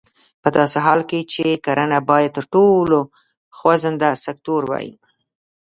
په داسې حال کې چې کرنه باید تر ټولو خوځنده سکتور وای.